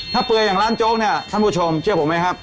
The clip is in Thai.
ถ้าเปลือยอย่างร้านโจ๊กเนี่ยท่านผู้ชมเชื่อผมไหมครับ